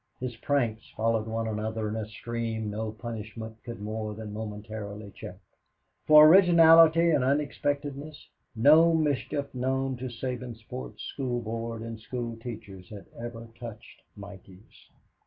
His pranks followed one another in a stream no punishment could more than momentarily check. For originality and unexpectedness, no mischief known to Sabinsport's School Board and school teachers had ever touched Mikey's.